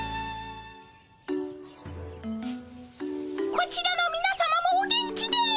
こちらのみなさまもお元気で！